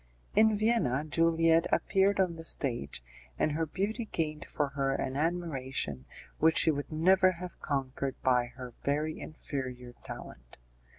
In Vienna, Juliette appeared on the stage, and her beauty gained for her an admiration which she would never have conquered by her very inferior talent.